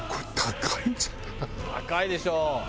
高いでしょ。